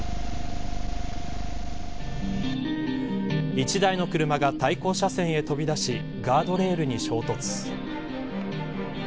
１台の車が対向車線へ飛び出しガードレールに衝突。